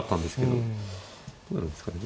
どうなんですかね。